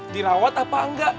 dirawat apa enggak